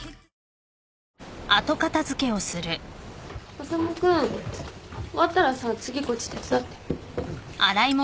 修君終わったらさ次こっち手伝って。